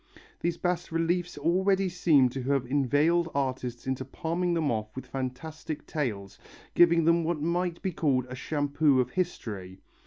These bas reliefs already seem to have inveigled artists into palming them off with fantastic tales, giving them what might be called a shampoo of history.